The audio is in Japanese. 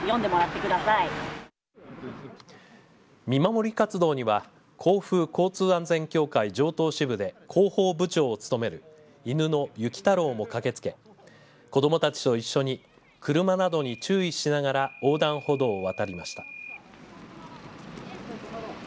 見守り活動には甲府交通安全協会城東支部で広報部長を務める犬の雪太郎も駆けつけ子どもたちと一緒に車などに注意しながら横断歩道を渡りました。